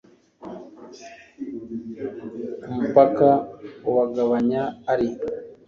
ko umupaka ubagabanya ari